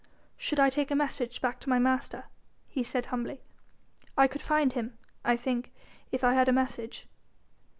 "Shall I take a message back to my master?" he asked humbly. "I could find him, I think, if I had a message."